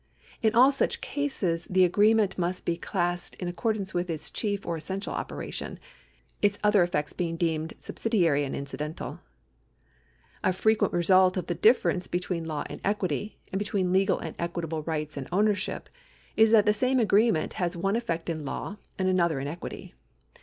In all such cases the agree ment must be classed in accordance with its chief or essential operation, its other effects being deemed subsidiary and incidental. A frequent result of the difference between law and equity, and between legal and equitable rights and ownershiji, is that the same agreement has one effect in law and another in equity.